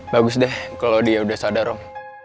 bagus deh kalau dia udah sadar om